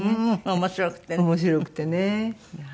面白くてねはい。